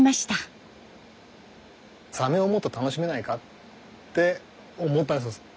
サメをもっと楽しめないかって思ったんですよ。